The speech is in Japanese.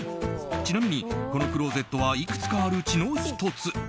ちなみに、このクローゼットはいくつかあるうちの１つ。